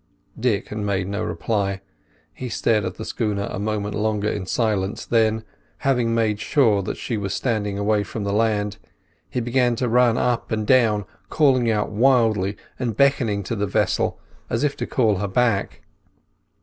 Dick made no reply; he stared at the schooner a moment longer in silence, then, having made sure that she was standing away from the land, he began to run up and down, calling out wildly, and beckoning to the vessel as if to call her back.